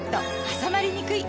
はさまりにくい！